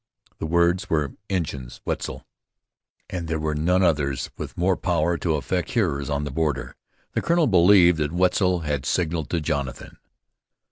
The words were "Injuns! Wetzel!" and there were none others with more power to affect hearers on the border. The colonel believed that Wetzel had signaled to Jonathan.